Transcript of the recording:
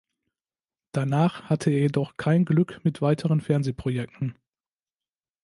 Danach hatte er jedoch kein Glück mit weiteren Fernsehprojekten.